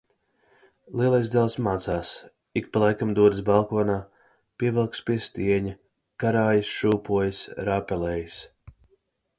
Lielais dēls mācās, ik pa laikam dodas balkonā, pievelkas pie stieņa, karājas, šūpojas, rāpelējas.